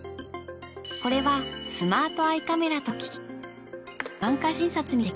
これはスマートアイカメラという医療機器。